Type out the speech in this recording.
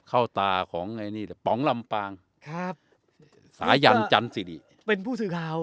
เข้าตาของไอ้นี่แต่ป๋องลำปางครับสายันจันสิริเป็นผู้สื่อข่าว